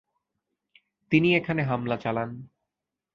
তিনি এখানে হামলা চালান।